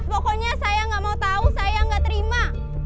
pokoknya saya nggak mau tahu saya nggak terima